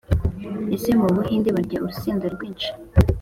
Ese mubuhinde barya urusenda rwinshi?